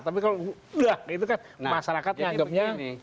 tapi kalau sudah itu kan masyarakat menganggapnya